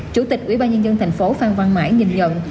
chủ tịch ủy ban nhân dân thành phố phan văn mãi nhìn nhận